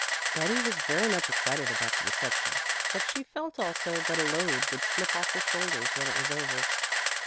Betty was very much excited about the reception, but she felt also that a load would slip off her shoulders when it was over.